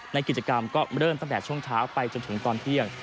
ในกิจกรรมก็เริ่มตั้งแต่ช่วงเช้าไปจนถึงตอนเที่ยง